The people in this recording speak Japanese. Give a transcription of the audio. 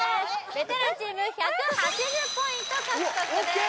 ベテランチーム１８０ポイント獲得です